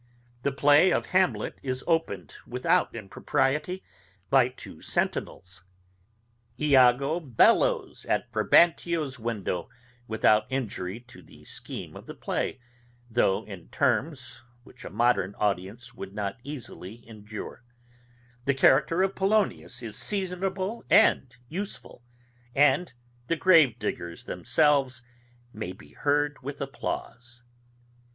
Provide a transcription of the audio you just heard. The play of Hamlet is opened, without impropriety, by two sentinels; Iago bellows at Brabantio's window, without injury to the scheme of the play, though in terms which a modern audience would not easily endure; the character of Polonius is seasonable and useful; and the Grave diggers themselves may be heard with applause.